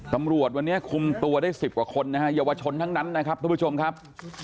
ต่ำรวจวันนี้คุมตัวได้สิบกว่าคนทั้งนันนะครับทุกผู้ชมครับ